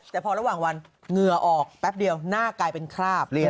แต่พอระหว่างวันเหงื่อออกแป๊บเดียวหน้ากลายเป็นคราบ